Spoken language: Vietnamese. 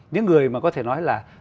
những người mà có thể nói là